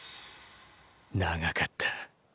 長かった。